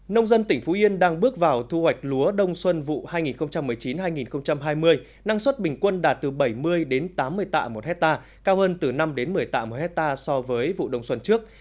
nông dân tỉnh phú yên đang bước vào thu hoạch lúa đông xuân vụ hai nghìn một mươi chín hai nghìn hai mươi năng suất bình quân đạt từ bảy mươi đến tám mươi tạ một hectare cao hơn từ năm một mươi tạ một hectare so với vụ đông xuân trước